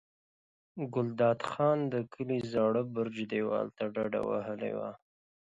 ګلداد خان د کلي د زاړه برج دېوال ته ډډه وهلې وه.